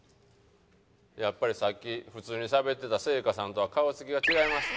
やっぱりさっき普通にしゃべってた星夏さんとは顔つきが違います。